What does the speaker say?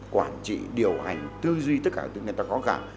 quản trị điều hành tư duy tất cả những gì người ta có cả